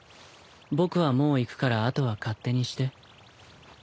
僕はもう行くからあとは勝手にして。